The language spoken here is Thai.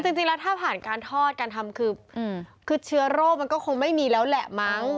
จริงแล้วถ้าผ่านการทอดการทำคือเชื้อโรคมันก็คงไม่มีแล้วแหละมั้ง